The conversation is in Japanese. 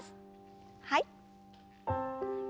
はい。